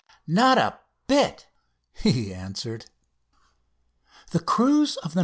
"Not a bit," he answered. The cruise of the "No.